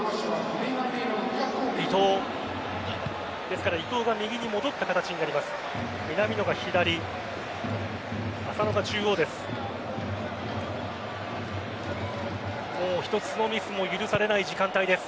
ですから伊東が右に戻った形になります。